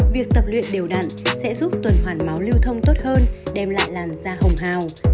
việc tập luyện đều đặn sẽ giúp tuần hoàn máu lưu thông tốt hơn đem lại làn da hồng hào